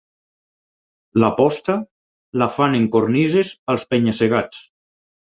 La posta, la fan en cornises als penya-segats.